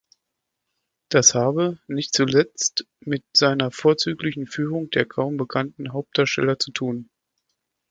Das habe „nicht zuletzt mit seiner vorzüglichen Führung der kaum bekannten Hauptdarsteller zu tun“.